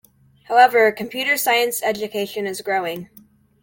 However, computer science education is growing.